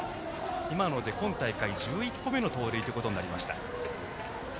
今ので今大会１１個目の盗塁となりました。